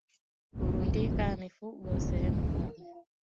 Kurundika mifugo sehemu moja